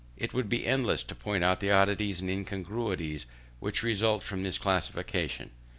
It would be endless to point out the oddities and incongruities which result from this classification.